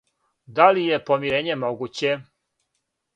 Да ли је помирење могуће?